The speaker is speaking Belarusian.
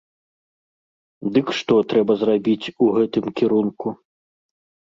Дык што трэба зрабіць у гэтым кірунку?